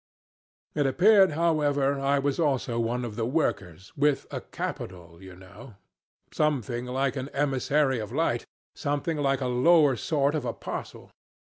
It appeared, however, I was also one of the Workers, with a capital you know. Something like an emissary of light, something like a lower sort of apostle.